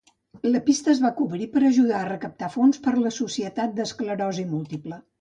La pista es va cobrir per ajudar a recaptar fons per a la Societat d'Esclerosi Múltiple.